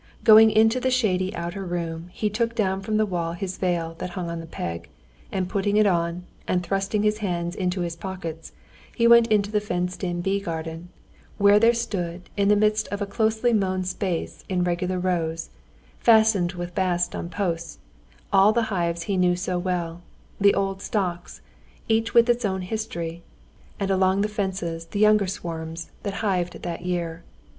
Going into the shady outer room, he took down from the wall his veil, that hung on a peg, and putting it on, and thrusting his hands into his pockets, he went into the fenced in bee garden, where there stood in the midst of a closely mown space in regular rows, fastened with bast on posts, all the hives he knew so well, the old stocks, each with its own history, and along the fences the younger swarms hived that year.